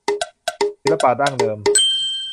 ศิลปะดั้งเดิม